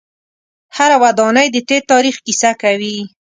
هره ودانۍ د تیر تاریخ کیسه کوي.